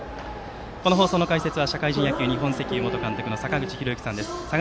この放送の解説は社会人野球日本石油元監督の坂口裕之さんです。